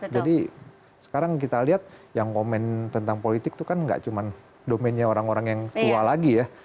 jadi sekarang kita lihat yang komen tentang politik tuh kan nggak cuman domennya orang orang yang tua lagi ya